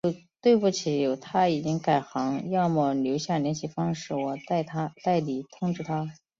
对不起，他已经改行了，要么你留下联系方式，我代你通知他。